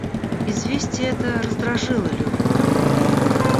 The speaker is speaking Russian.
Известие это раздражило Левина.